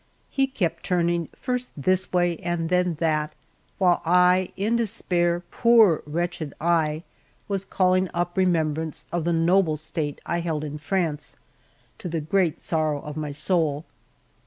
He kept turning first this way and then that; while I, in despair, poor wretched I, was calling up remembrance of the noble state I held in France, to the great sorrow of my soul.